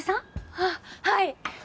あっはい。